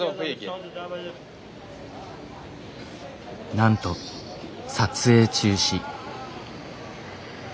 なんと撮影中止。